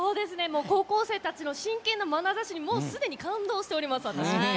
高校生たちの真剣なまなざしにもうすでに感動しております、私。